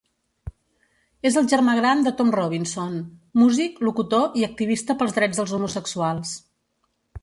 És el germà gran de Tom Robinson, músic, locutor i activista pels drets dels homosexuals.